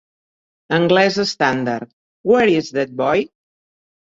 Anglès estàndard: Where is that boy?